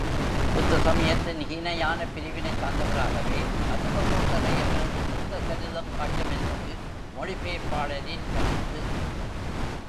புத்த சமயத்தின் ஹீனயானப் பிரிவினைச் சார்ந்தவராகவே அசுவகோசரை அவரது புத்த சரிதம் காட்டும் என்பதும் மொழிபெயர்ப்பாளரின் கருத்து.